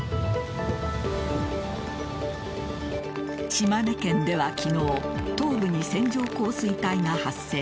島根県では昨日東部に線状降水帯が発生。